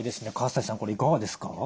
西さんこれいかがですか？